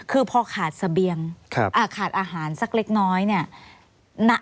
คือพอขาดเสบียงขาดอาหารสักเล็กน้อยเนี่ย